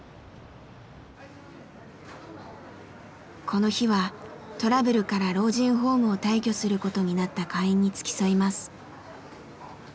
この日はトラブルから老人ホームを退去することになった会員に付き添います。